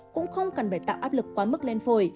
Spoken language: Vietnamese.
cũng không cần phải tạo áp lực quá mức lên phổi